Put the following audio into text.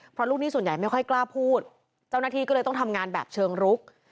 เพราะลูกหนี้ส่วนใหญ่ไม่ค่อยกล้าพูดเจ้าหน้าที่ก็เลยต้องทำงานแบบเชิงรุก